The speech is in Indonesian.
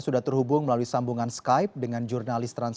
nah disana dilakukan penyisiran